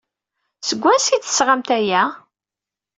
Seg wansi ay d-tesɣamt aya?